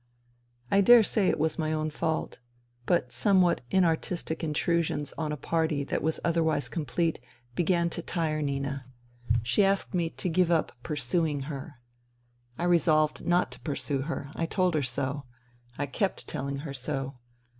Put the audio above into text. I dare say it was my fault — but my somewhat inartistic intrusions on a party that was otherwise complete, began to tire Nina. She asked me to give up " pursuing " her. I resolved not to pursue her. I told her so. I kept telling her so.